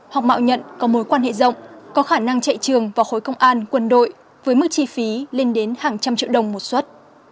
học mạo nhận có mối quan hệ rộng có khả năng chạy trường vào khối công an quân đội với mức chi phí lên đến hàng trăm triệu đồng một xuất